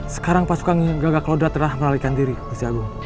sekarang pasukan gagak klo dra telah melalui diri gusti agung